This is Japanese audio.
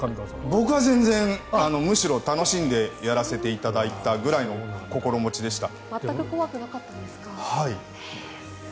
僕は全然楽しんでやらせていただいたというぐらいの感じでした。